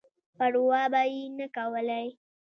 پر وا به یې نه کولای.